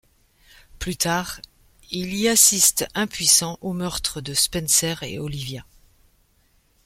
Plus tard, il y assiste impuissant aux meurtres de Spencer et Olivia.